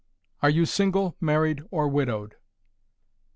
_ ARE YOU SINGLE, MARRIED, OR WIDOWED?